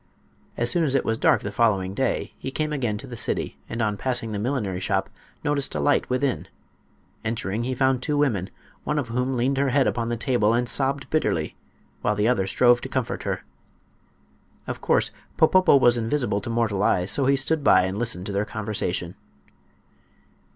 As soon as it was dark the following day he came again to the city and on passing the millinery shop noticed a light within. Entering he found two women, one of whom leaned her head upon the table and sobbed bitterly, while the other strove to comfort her. Of course Popopo was invisible to mortal eyes, so he stood by and listened to their conversation.